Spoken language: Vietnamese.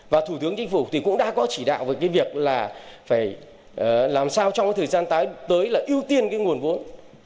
và thủ tướng chính phủ thì cũng đã có chỉ đạo về cái việc là phải làm sao trong cái thời gian tới là ưu tiên cái nguồn vốn